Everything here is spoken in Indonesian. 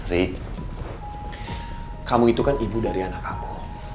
rik kamu itu kan ibu dari anak aku